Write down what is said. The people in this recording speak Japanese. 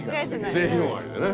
末広がりでね